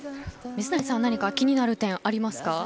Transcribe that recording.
水谷さん気になる点ありますか。